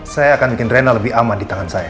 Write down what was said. saya akan bikin drena lebih aman di tangan saya